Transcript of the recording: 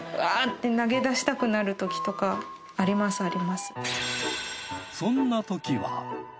投げ出したくなるときとかありますあります。